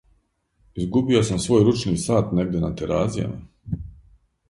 Izgubio sam svoj ručni sat negde na Terazijama.